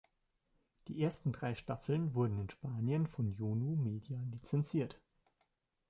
Die ersten drei Staffeln wurden in Spanien von Jonu Media lizenziert.